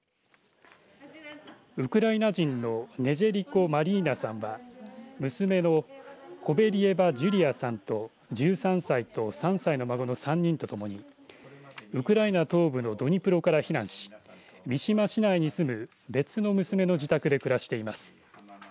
ウクライナ人のネジェリコ・マリーナさんは娘のコベリエバ・ジュリアさんと１３歳と３歳の孫の３人とともにウクライナ東部のドニプロから避難し三島市内に住む別の娘の自宅で暮らしています。